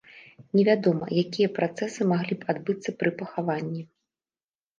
Невядома, якія працэсы маглі б адбыцца пры пахаванні.